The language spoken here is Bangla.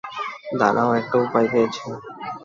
দাড়াও, একটা উপায় পেয়েছি!